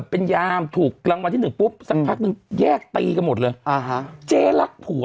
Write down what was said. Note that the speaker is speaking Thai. ผัวและหน้าตาดีก็รักผัว